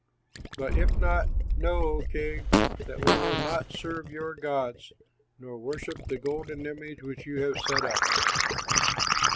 But if not, know, O king, that we will not serve your gods nor worship the golden image which you have set up."